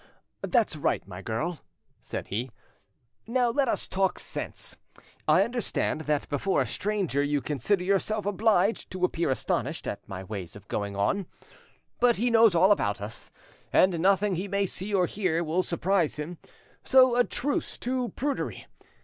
"That's right, my girl," said he; "now let us talk sense. I understand that before a stranger you consider yourself obliged to appear astonished at my ways of going on. But he knows all about us, and nothing he may see or hear will surprise him. So a truce to prudery!